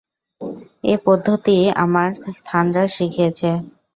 এ পদ্ধতি আমায় থানরাজ শিখিয়েছে।